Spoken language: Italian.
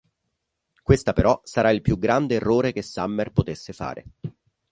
Questa però sarà il più grande errore che Summer potesse fare.